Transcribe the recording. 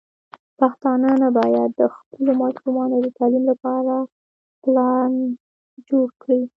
پښتانه بايد د خپلو ماشومانو د تعليم لپاره پلان جوړ کړي.